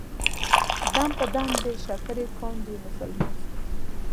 دم په دم دې شکر کاندي مسلمان ستا.